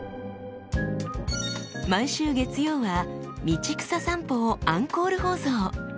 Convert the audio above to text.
毎週月曜は「道草さんぽ」をアンコール放送。